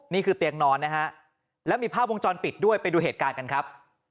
นี่คือเตียงนอนนะฮะแล้วมีภาพวงจรปิดด้วยไปดูเหตุการณ์กันครับ